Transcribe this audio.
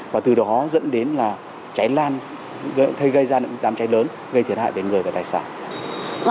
và từ đó dẫn đến là cháy lan gây ra những đám cháy lớn gây thiệt hại về người và tài sản